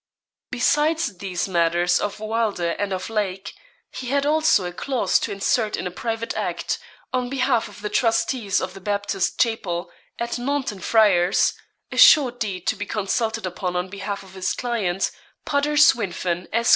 Besides these matters of Wylder and of Lake, he had also a clause to insert in a private Act, on behalf of the trustees of the Baptist Chapel, at Naunton Friars; a short deed to be consulted upon on behalf of his client, Pudder Swynfen, Esq.